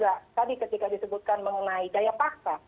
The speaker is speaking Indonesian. lalu juga tadi ketika disebutkan mengenai daya paksa